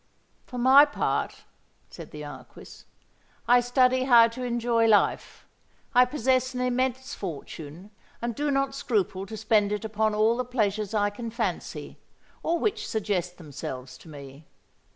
"For my part," said the Marquis, "I study how to enjoy life. I possess an immense fortune, and do not scruple to spend it upon all the pleasures I can fancy, or which suggest themselves to me.